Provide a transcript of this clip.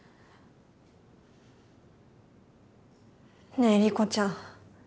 ねえ理子ちゃん